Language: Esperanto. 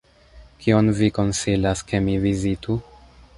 Kion vi konsilas, ke mi vizitu?